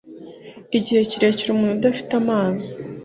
Igihe kirekire umuntu udafite amazi